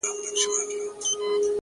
خپـه به دا وي كــه شـــيرين نه ســمــه”